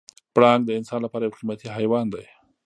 پړانګ د انسان لپاره یو قیمتي حیوان دی.